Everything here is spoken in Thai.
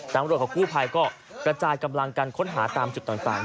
ตำรวจกับกู้ภัยก็กระจายกำลังกันค้นหาตามจุดต่าง